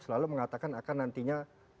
selalu mengatakan akan nantinya